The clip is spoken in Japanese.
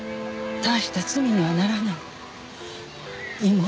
大した罪にはならない。